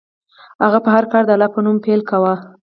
هغه به هر کار د الله په نوم پیل کاوه.